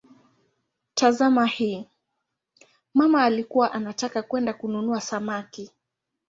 Tazama hii: "mama alikuwa anataka kwenda kununua samaki".